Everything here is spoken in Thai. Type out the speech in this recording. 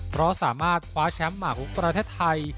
เพราะสามารถคว้าแชมป์หมากประเทศไทย